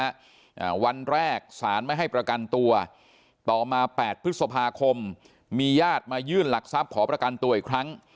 อ่าวันแรกสารไม่ให้ประกันตัวต่อมาแปดพฤษภาคมมีญาติมายื่นหลักทรัพย์ขอประกันตัวอีกครั้ง